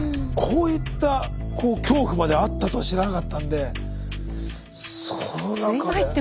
こういった恐怖まであったとは知らなかったんでその中で。